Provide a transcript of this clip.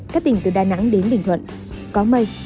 các tỉnh từ đà nẵng đến bình thuận có mây